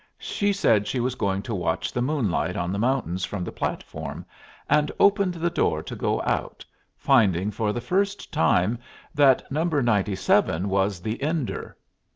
She said she was going to watch the moonlight on the mountains from the platform, and opened the door to go out, finding for the first time that No. 97 was the "ender."